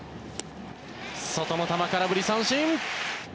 外の球、空振り三振！